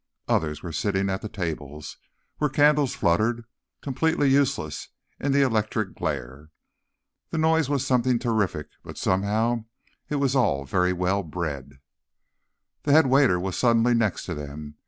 Others were sitting at the tables, where candles fluttered, completely useless in the electric glare. The noise was something terrific, but, somehow, it was all very well bred. The headwaiter was suddenly next to them.